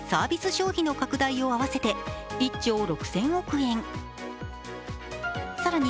消費の拡大を合わせて１兆６０００億円に。